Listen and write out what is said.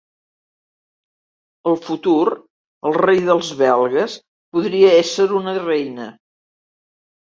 Al futur, el rei dels belgues podria ésser una reina.